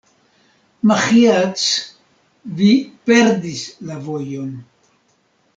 Maĥiac, vi perdis la vojon.